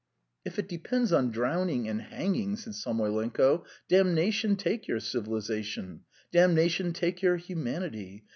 "If it depends on drowning and hanging," said Samoylenko, "damnation take your civilisation, damnation take your humanity!